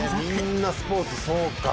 みんなスポーツそうか。